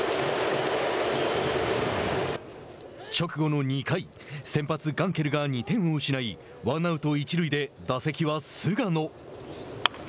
直後の２回先発ガンケルが２点を失いワンアウト、一塁で打席は菅野。